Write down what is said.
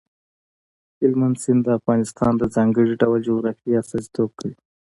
هلمند سیند د افغانستان د ځانګړي ډول جغرافیې استازیتوب کوي.